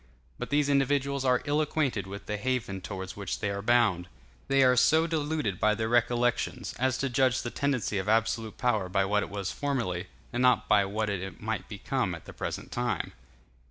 But these individuals are ill acquainted with the haven towards which they are bound. They are so deluded by their recollections, as to judge the tendency of absolute power by what it was formerly, and not by what it might become at the present time.